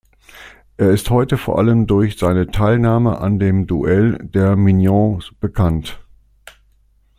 Er ist heute vor allem durch seine Teilnahme an dem Duell der Mignons bekannt.